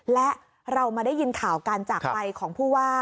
และเรามาได้ยินข่าวการจากไปของผู้ว่า